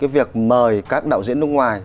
việc mời các đạo diễn nước ngoài